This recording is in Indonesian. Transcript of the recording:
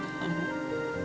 aku gak mau kehilangan kamu